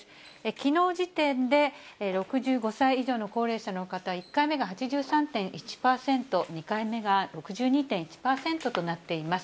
きのう時点で、６５歳以上の高齢者の方、１回目が８３．１％、２回目が６２．１％となっています。